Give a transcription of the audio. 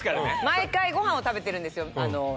毎回ご飯を食べてるんですよ。